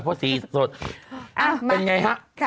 เป็นไงค่ะ